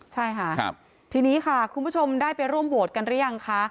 ใช่ค่ะทีนี้ค่ะคุณผู้ชมได้ไปร่วมโหวตกันหรือยังคะ